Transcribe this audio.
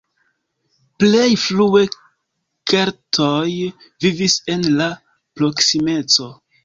Plej frue keltoj vivis en la proksimeco.